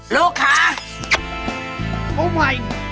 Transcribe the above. ลูกค่ะ